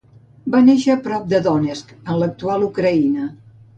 Va néixer a prop Donetsk en l'actual Ucraïna.